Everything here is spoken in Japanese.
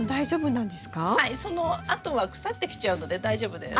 はいそのあとは腐ってきちゃうので大丈夫です。